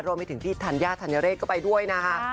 รวมไปถึงพี่ธัญญาธัญเรศก็ไปด้วยนะคะ